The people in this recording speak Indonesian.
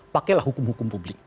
pakailah hukum hukum publik